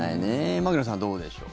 牧野さん、どうでしょう？